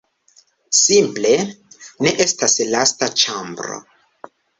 Simple, ne estas lasta ĉambro.